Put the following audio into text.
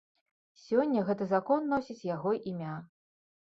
Сёння гэты закон носіць яго імя.